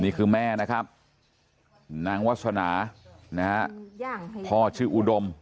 นี่คือแม่นะครับนางวาสนานะฮะพ่อชื่ออุดม